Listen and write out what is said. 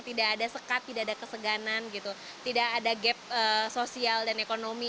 tidak ada sekat tidak ada keseganan tidak ada gap sosial dan ekonomi